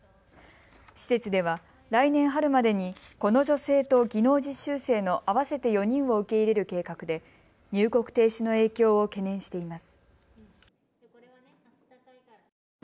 施設では来年春までにこの女性と技能実習生の合わせて４人を受け入れる計画で入国停止の影響を懸念しています。